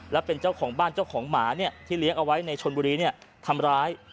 และเป็นเจ้าของบ้านเจ้าของหมาที่เลี้ยงเอาไว้ในชนบุรีทำร้าย